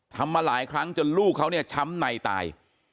มาหลายครั้งจนลูกเขาเนี่ยช้ำในตาย